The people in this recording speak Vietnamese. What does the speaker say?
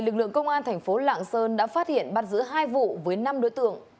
lực lượng công an tp lạng sơn đã phát hiện bắt giữ hai vụ với năm đối tượng